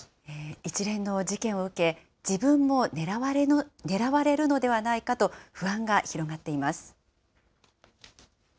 一連の事件を受け、自分も狙われるのではないかと不安が広がっています。